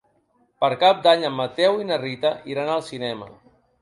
Per Cap d'Any en Mateu i na Rita iran al cinema.